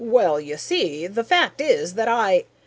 "Well, you see, the fact is that I...."